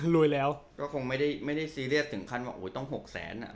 รวยแล้วก็คงไม่ได้ไม่ได้ซีเรียสถึงขั้นว่าอุ้ยต้องหกแสนอ่ะ